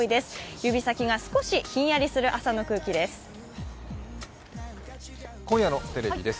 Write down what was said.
指先が少しひんやりする朝の空気です。